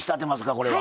これは。